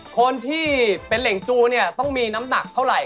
คนที่เป็นเหล่งจูเนี่ยต้องมีน้ำหนักเท่าไหร่